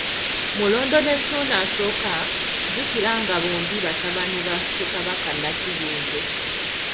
Mulondo ne Ssuuna I, jjukira nga bombi batabani ba Ssekabaka Nnakibinge.